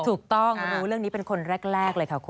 ถูกต้องรู้เรื่องนี้เป็นคนแรกเลยค่ะคุณ